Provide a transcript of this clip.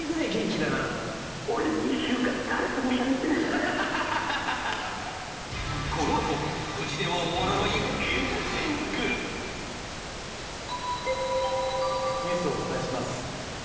俺このあとニュースをお伝えします